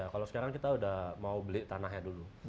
kalau sekarang kita udah mau beli tanahnya dulu